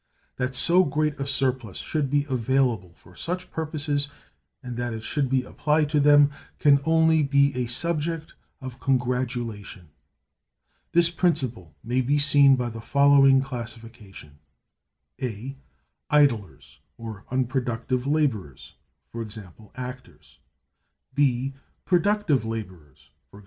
That so great a surplus should be available for such purposes, and that it should be applied to them, can only be a subject of congratulation. This principle may be seen by the following classification: (A) Idlers; or unproductive laborers—e.g., actors. (B) Productive laborers—e.g.